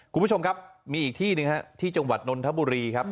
คุณผู้ชมครับมีอีกที่หนึ่งฮะที่จังหวัดนนทบุรีครับ